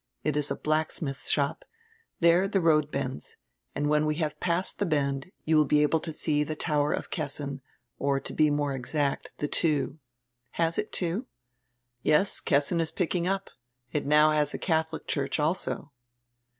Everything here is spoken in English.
It is a blacksmidi's shop. There the road bends. And when we have passed die bend you will be able to see die tower of Kessin, or to be more exact, die two." "Has it two?" "Yes, Kessin is picking up. It now has a Cadiolic church also."